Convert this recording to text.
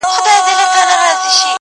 اوس په كلي كي چي هر څه دهقانان دي-